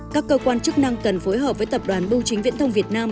các cơ quan chức năng cần phối hợp với tập đoàn bưu chính viễn thông việt nam